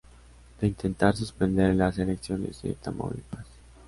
De intentar suspender las elecciones de Tamaulipas